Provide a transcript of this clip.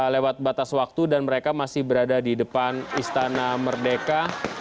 lewat batas waktu dan mereka masih berada di depan istana merdeka